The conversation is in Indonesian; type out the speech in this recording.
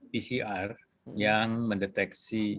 pcr yang mendeteksi